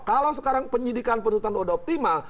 kalau sekarang penyidikan putusan udah optimal